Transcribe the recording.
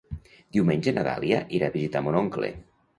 Diumenge na Dàlia irà a visitar mon oncle.